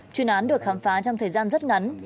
chuyên án được khám phá trong thời gian rất ngắn